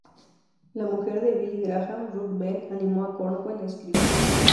La mujer de Billy Graham, Ruth Bell, animó a Cornwell a escribir.